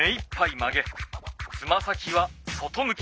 曲げつま先は外向き。